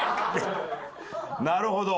なるほど！